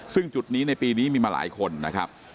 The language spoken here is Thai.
ซึ่งจุดนี้ในปีนี้มีมาหลายคนนะครับ